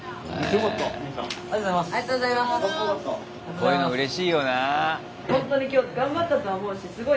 こういうのうれしいよな。